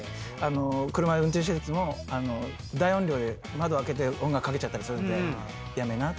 車運転してるときも大音量で窓開けて音楽かけちゃったりするんで。